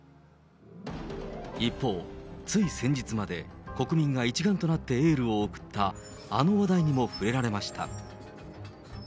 一方、つい先日まで国民が一丸となってエールを送った、あの話題にも触れられました。